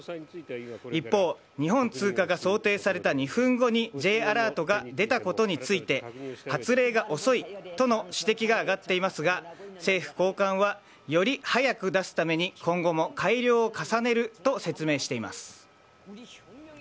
一方、日本通過が想定された２分後にＪアラートが出たことについて発令が遅いとの指摘が上がっていますが政府高官は、より早く出すために今後も改良を重ねると説明しています。